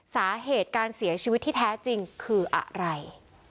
สาเหตุการเสียชีวิตที่แท้จริงคืออะไร